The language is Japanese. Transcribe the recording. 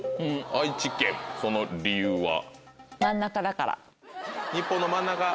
その理由は？